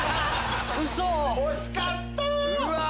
惜しかった！